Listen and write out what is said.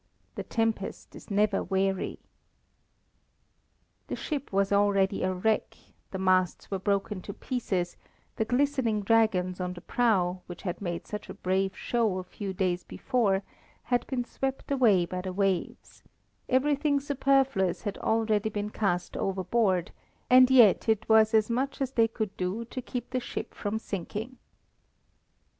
The tempest is never weary. The ship was already a wreck, the masts were broken to pieces, the glistening dragons on the prow, which had made such a brave show a few days before, had been swept away by the waves; everything superfluous had already been cast overboard, and yet it was as much as they could do to keep the ship from sinking.